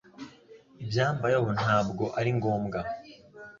Ibyambayeho ntabwo ari ngombwa